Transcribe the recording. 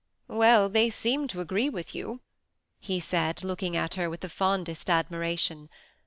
" Well, they seem to agree with you," he said, looking at her with the fondest admiration.